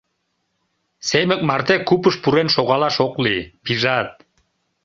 Семык марте купыш пурен шогалаш ок лий, пижат.